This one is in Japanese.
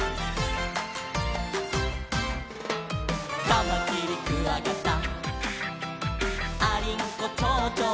「カマキリクワガタありんこちょうちょも」